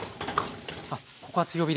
あっここは強火で。